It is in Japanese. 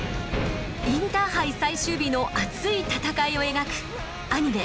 インターハイ最終日の熱い戦いを描くアニメ